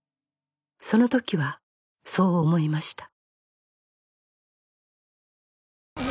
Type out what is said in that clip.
その時はそう思いました